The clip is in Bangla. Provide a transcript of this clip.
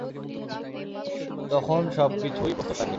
তখন সব কিছুই প্রস্তুত থাকবে।